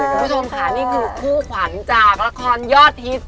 คุณผู้ชมค่ะนี่คือคู่ขวัญจากละครยอดฮิต